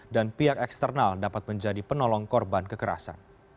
dan pihak eksternal dapat menjadi penolong korban kekerasan